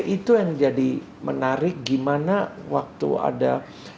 itu yang jadi menarik gimana waktu ada